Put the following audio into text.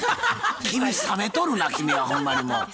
君冷めとるな君はほんまにもう。